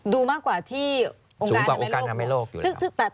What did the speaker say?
ดูมากกว่าที่องค์การอนามัยโลกเหรอ